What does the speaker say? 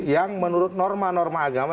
yang menurut norma norma agama